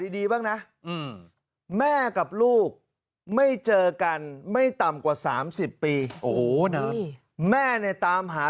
ดีบ้างนะแม่กับลูกไม่เจอกันไม่ต่ำกว่า๓๐ปีแม่ในตามหา